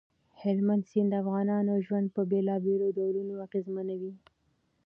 هلمند سیند د افغانانو ژوند په بېلابېلو ډولونو اغېزمنوي.